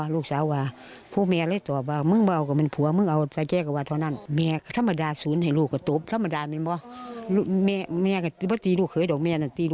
ด่านญาติของคนตายก็บอกนะครับว่าต้นปีที่แล้วเนี่ย